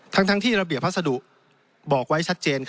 ทั้งที่ระเบียบพัสดุบอกไว้ชัดเจน